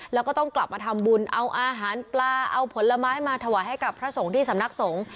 แล้วก็ต้องกลับมาทำบุญเอาอาหารปลาเอาผลไม้มาถวายให้กับพระสงฆ์ที่สำนักสงฆ์